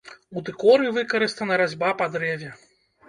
У дэкоры выкарыстана разьба па дрэве.